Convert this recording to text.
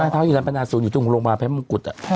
ถ้าว่าอยู่ในพนักศูนย์อยู่ตรงโรงพยาบาลไฟมุมกุฎ